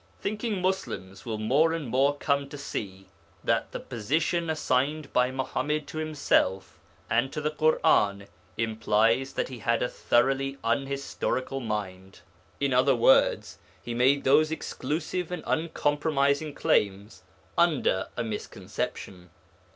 Thinking Muslims will more and more come to see that the position assigned by Muḥammad to himself and to the Ḳur'an implies that he had a thoroughly unhistorical mind. In other words he made those exclusive and uncompromising claims under a misconception.